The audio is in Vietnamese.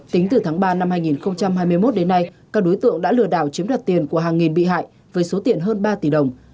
tính từ tháng ba năm hai nghìn hai mươi một đến nay các đối tượng đã lừa đảo chiếm đoạt tiền của hàng nghìn bị hại với số tiền hơn ba tỷ đồng